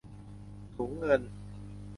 ถุงเงิน